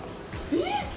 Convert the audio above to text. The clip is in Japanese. えっ。